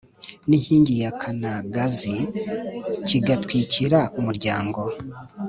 n’inkingi ya kanagazi kigatwikira umuryango